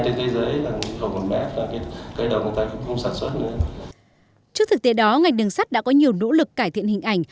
trước thực tế đó ngành đường sắt đã có nhiều nỗ lực cải thiện hình ảnh